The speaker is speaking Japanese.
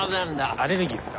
アレルギーっすか？